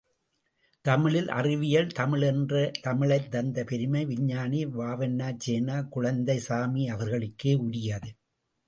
தமிழில் அறிவியல் தமிழ் என்ற தமிழைத் தந்த பெருமை விஞ்ஞானி வா.செ.குழந்தைசாமி அவர்களுக்கே உரியது.